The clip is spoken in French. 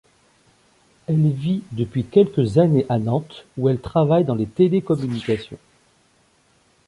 Elle vit depuis quelques années à Nantes où elle travaille dans les télécommunications.